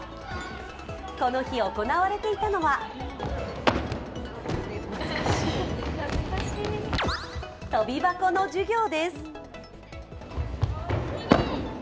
この日行われていたのはとび箱の授業です。